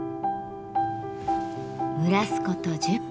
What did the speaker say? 蒸らすこと１０分。